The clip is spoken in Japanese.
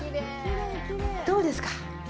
どうですか？